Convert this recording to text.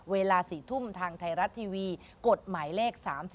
เวลา๔ทุ่มทางไทยรัฐทีวีกฎหมายเลข๓๒